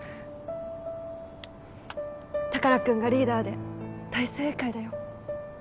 宝君がリーダーで大正解だよ